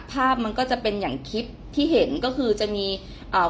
ภาพมันก็จะเป็นอย่างคลิปที่เห็นก็คือจะมีอ่า